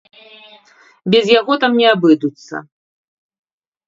Без яго там не абыдуцца.